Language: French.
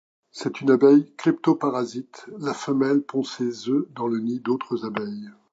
C'est une abeille cléptoparasite, la femelle pond ses œufs dans le nid d'autre abeilles.